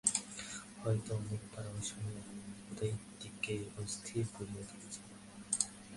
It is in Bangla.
হয়তো অনেকবার অসময়ে আমি ইঁহাদিগকে অস্থির করিয়া তুলিয়াছি।